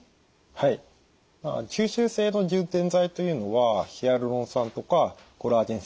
はい吸収性の充填剤というのはヒアルロン酸とかコラーゲン製剤になります。